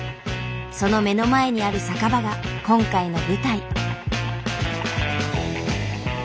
その目の前にある酒場が今回の舞台。